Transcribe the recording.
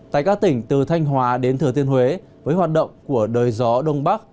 tại các tỉnh từ thanh hòa đến thừa tiên huế với hoạt động của đời gió đông bắc